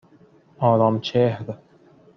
آرامچهر